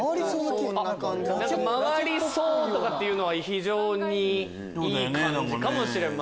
「回りそう」というのは非常にいい感じかもしれません。